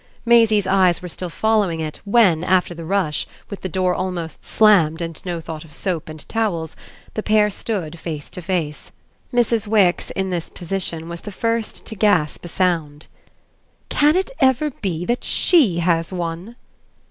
Maisie's eyes were still following it when, after the rush, with the door almost slammed and no thought of soap and towels, the pair stood face to face. Mrs. Wix, in this position, was the first to gasp a sound. "Can it ever be that SHE has one?"